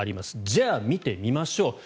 じゃあ見てみましょう。